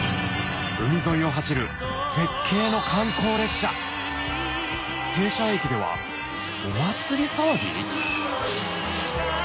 海沿いを走る絶景の観光列車停車駅ではお祭り騒ぎ？